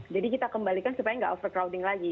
jadi kita kembalikan supaya nggak overcrowding lagi